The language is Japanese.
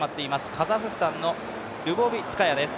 カザフスタンのドゥボビツカヤです。